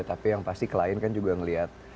tapi yang pasti klien kan juga melihat